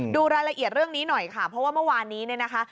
ดูรายละเอียดเรื่องนี้หน่อยค่ะเพราะว่าเมื่อวานนี้เนี่ยนะคะ